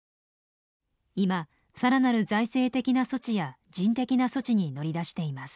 今更なる財政的な措置や人的な措置に乗り出しています。